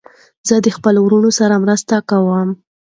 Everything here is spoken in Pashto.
زه د خپلو وروڼو سره مرسته کوم.